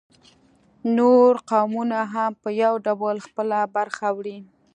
نور قومونه هم په یو ډول خپله برخه وړي